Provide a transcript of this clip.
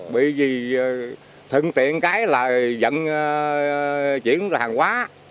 bởi vì thượng tiện cái là dẫn chuyển hàng hóa